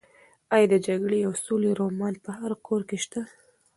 ایا د جګړې او سولې رومان په هر کور کې شته؟